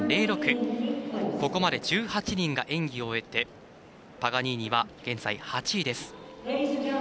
ここまで１８人が演技を終えてパガニーニは現在８位です。